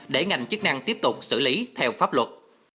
để ngành chức năng tiếp tục xử lý theo pháp luật